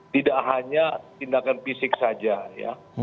tidak hanya tindakan fisik saja ya